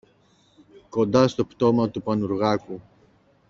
κοντά στο πτώμα του Πανουργάκου.